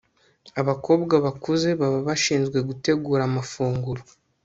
abakobwa bakuze baba bashinzwe gutegura amafunguro